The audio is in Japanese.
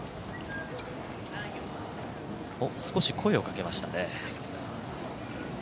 少し声をかけましたね。